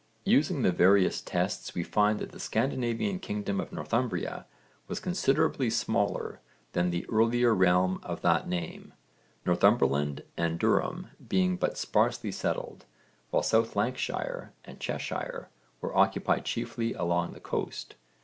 Using the various tests we find that the Scandinavian kingdom of Northumbria was considerably smaller than the earlier realm of that name, Northumberland and Durham being but sparsely settled, while South Lancashire and Cheshire were occupied chiefly along the coast.